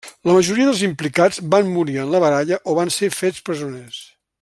La majoria dels implicats van morir en la baralla o van ser fets presoners.